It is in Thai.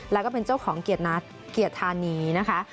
แล้วก็เป็นเจ้าของเกียรติธานีนะคะ